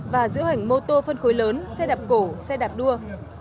và diễu hành mô tô phân khối lớn xe đạp cổ xe đạp đua